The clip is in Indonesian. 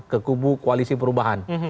ke kubu koalisi perubahan